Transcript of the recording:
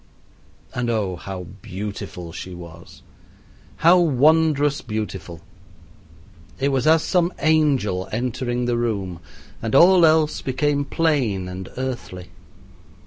And oh, how beautiful she was, how wondrous beautiful! It was as some angel entering the room, and all else became plain and earthly.